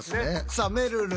さあめるる